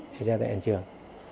điều tra tại hiện trường